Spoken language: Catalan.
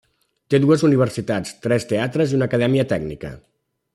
Té dues universitats, tres teatres i una acadèmia tècnica.